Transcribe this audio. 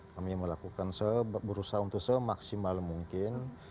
kami melakukan berusaha untuk semaksimal mungkin